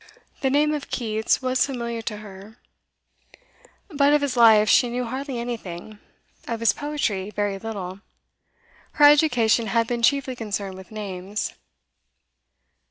The name of Keats was familiar to her, but of his life she knew hardly anything, of his poetry very little. Her education had been chiefly concerned with names.